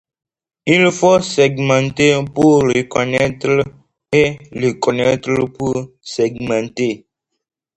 Il faut segmenter pour reconnaître, et reconnaître pour segmenter.